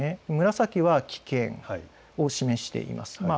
紫は危険を示しています。